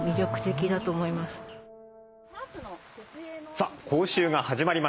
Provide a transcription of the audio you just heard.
さあ講習が始まりました。